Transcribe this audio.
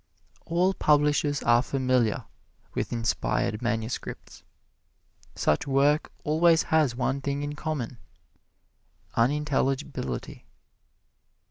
All publishers are familiar with inspired manuscripts. Such work always has one thing in common unintelligibility.